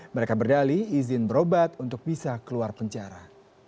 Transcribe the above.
mereka berdali izin berobat untuk bisa keluar penjara